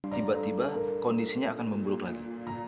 tiba tiba kondisinya akan memburuk lagi